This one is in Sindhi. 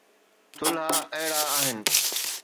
ٿلها اهڙا آهن